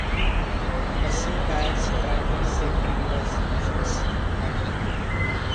A sea kayak's primary safety device is its paddler.